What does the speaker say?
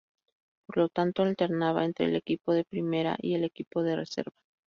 Por lo tanto alternaba entre el equipo de primera y el equipo de reserva.